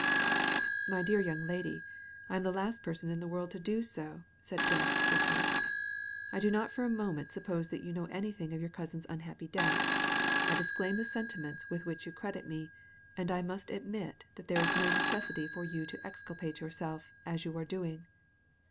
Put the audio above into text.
" My dear young lady, I am the last person in the world to do so/' said Gebb, quickly. " I do not for a moment suppose that you know anything of your cousin's unhappy death. I disclaim the sentiments with which you credit me ; and I must admit that there is no necessity for you to exculpate yourself as you are doing."